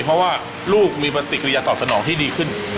เพราะว่าลูกมีปฏิกิริยาตอบสนองที่ดีขึ้น